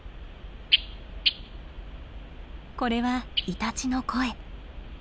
これはイタチの声。